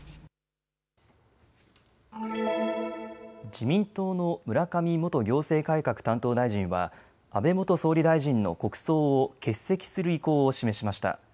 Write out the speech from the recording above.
自民党の村上元行政改革担当大臣は安倍元総理大臣の国葬を欠席する意向を示しました。